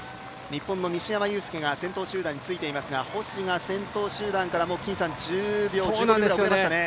日本の西山雄介が先頭集団についていますが星が先頭集団から１０秒、１５秒ぐらい遅れましたかね。